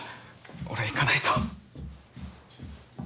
俺行かないと。